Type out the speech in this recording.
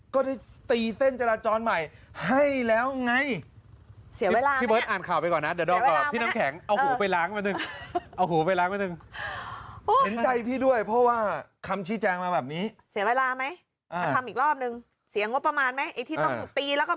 ก็ได้ตีเส้นจราจรใหม่ให้แล้วไง